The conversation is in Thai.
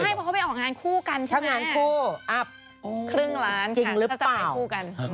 ไม่เพราะเขาไปออกงานคู่กันใช่ไหม